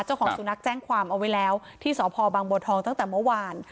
เจ้าของสุนัขแจ้งความเอาไว้แล้วที่สพบังบัวทองตั้งแต่เมื่อวาน